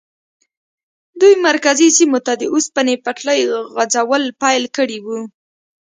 دوی مرکزي سیمو ته د اوسپنې پټلۍ غځول پیل کړي وو.